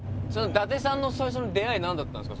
伊達さんの最初の出会いなんだったんですか？